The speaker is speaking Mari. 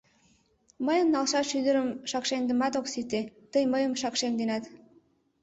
Мыйын налшаш ӱдырым шакшемдымет ок сите, тый мыйымат шакшемденат.